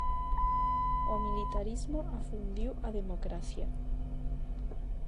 O militarismo afundiu a democracia.